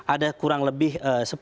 ada kurang lebih sepuluh